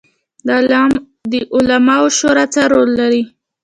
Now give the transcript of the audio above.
د علماوو شورا څه رول لري؟